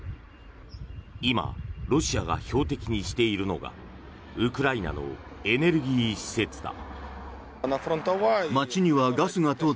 今、ロシアが標的にしているのがウクライナのエネルギー施設だ。